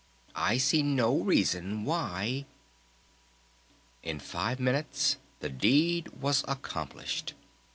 I see no reason why " In five minutes the deed was accomplished.